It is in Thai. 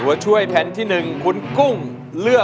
ตัวช่วยแผนที่๑โค้งเลือก